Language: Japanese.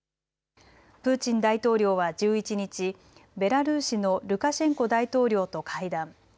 プーチン大統領は１１日、ベラルーシのルカシェンコ大統領と会談。